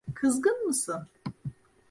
Kızgın mısın?